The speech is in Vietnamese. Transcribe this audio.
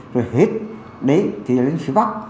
rồi hết đấy thì lên phía bắc